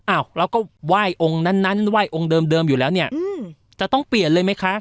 เราก็ไหว้องค์นั้นนั้นไหว้องค์เดิมอยู่แล้วเนี่ยจะต้องเปลี่ยนเลยไหมคะ